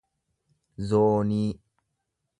zoonii